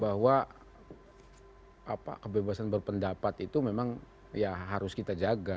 bahwa kebebasan berpendapat itu memang ya harus kita jaga